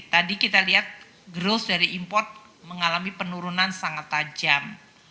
tadi kita lihat growth dari import mengalami penurunan sangat tajam